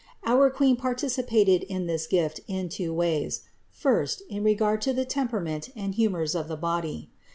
Our Queen par ticipated in this gift in two ways : first, in regard to the temperament and humors of the body.